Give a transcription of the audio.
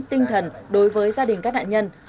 tinh thần đối với gia đình các nạn nhân